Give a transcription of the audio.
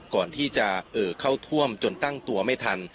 ก่อนที่จะเอ่อเข้าท่วมจนตั้งตัวไม่ทัน